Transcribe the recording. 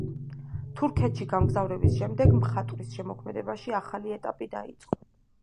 თურქეთში გამგზავრების შემდეგ მხატვრის შემოქმედებაში ახალი ეტაპი დაიწყო.